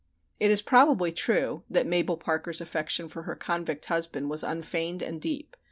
It is probably true that Mabel Parker's affection for her convict husband was unfeigned and deep.